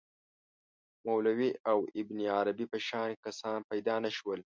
مولوی او ابن عربي په شان کسان پیدا نه شول.